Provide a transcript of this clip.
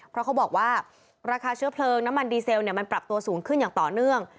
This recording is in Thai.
เพราะเขาบอกว่าราคาเชื้อเพลิงน้ำมันดีเซลมันปรับตัวสูงขึ้นอย่างต่อเนื่อง